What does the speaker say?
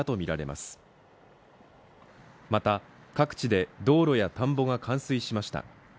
また、各地で道路や田んぼが冠水しました。